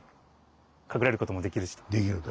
隠れることもできるしと。